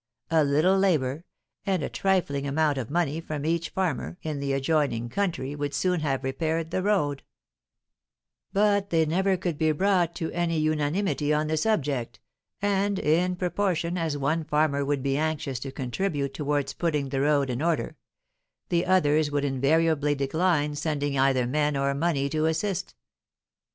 A little labour, and a trifling amount of money from each farmer in the adjoining country would soon have repaired the road; but they never could be brought to any unanimity on the subject, and, in proportion as one farmer would be anxious to contribute towards putting the road in order, the others would invariably decline sending either men or money to assist.